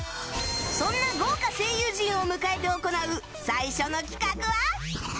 そんな豪華声優陣を迎えて行う最初の企画は